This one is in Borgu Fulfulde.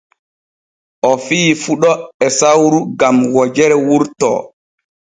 O fiyi fuɗo e sawru gam wojere wurto.